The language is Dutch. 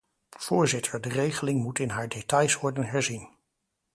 Voorzitter, de regeling moet in haar details worden herzien.